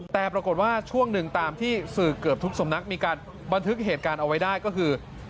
แต่ปรากฏว่าช่วงหนึ่งตามที่สื่อเกือบทุกสำนักมีการบันทึกเหตุการณ์เอาไว้ได้ก็คือ